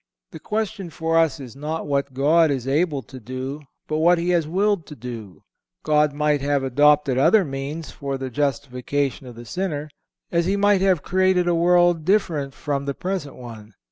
The question for us is not what God is able to do, but what He has willed to do. God might have adopted other means for the justification of the sinner, as He might have created a world different from the present one.